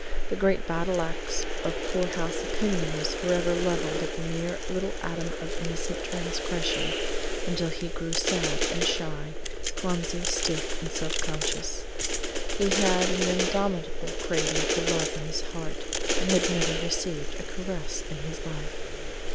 The great battle axe of poorhouse opinion was forever leveled at the mere little atom of innocent transgression, until he grew sad and shy, clumsy, stiff, and self conscious. He had an indomitable craving for love in his heart and had never received a caress in his life.